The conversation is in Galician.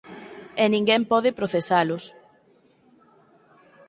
E ninguén pode procesalos